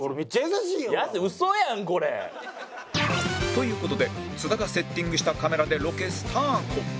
という事で津田がセッティングしたカメラでロケスタート